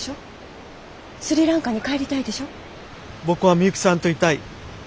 僕はミユキさんといたい。